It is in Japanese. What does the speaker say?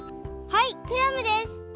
はいクラムです。